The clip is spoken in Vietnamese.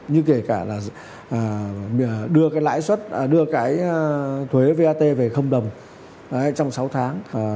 nhưng kể cả là đưa cái lãi suất đưa cái thuế vat về đồng trong sáu tháng